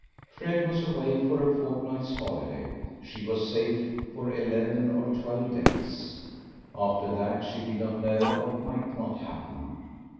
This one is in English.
Fred was away for a fortnight's holiday she was safe for eleven or twelve days. After that she did not know what might not happen.